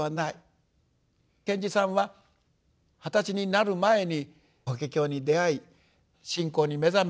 賢治さんは二十歳になる前に法華経に出会い信仰に目覚め